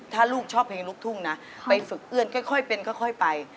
ถ้าลูกชอบเพลงลูกทุ่งนะไปฝึกเอื้อนค่อยเป็นค่อยไป